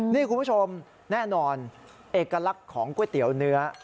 นี่คุณผู้ชมแน่นอนเอกลักษณ์ของก๋วยเตี๋ยวเนื้อ